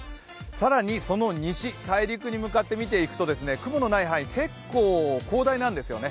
更にその西、大陸に向かって見ていくと雲のない範囲、結構広大なんですよね。